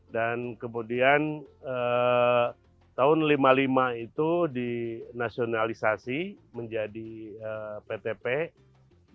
dan kemudian tahun seribu sembilan ratus lima puluh lima itu dinasionalisasi menjadi pt pn